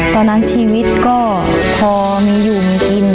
ตอนนั้นชีวิตก็พอมีอยู่มีกิน